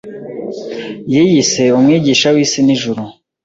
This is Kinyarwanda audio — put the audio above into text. yiyise Umwigisha w'isi n'ijuru.